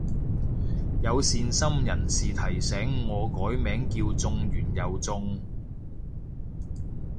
有善心人士提議我改名叫中完又中